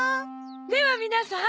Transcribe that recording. では皆さん